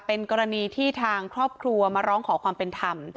เป็นกรณีที่ทางครอบครัวมาร้องขอความเป็นธรรม